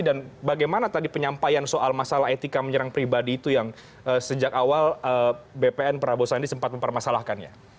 bagaimana tadi penyampaian soal masalah etika menyerang pribadi itu yang sejak awal bpn prabowo sandi sempat mempermasalahkannya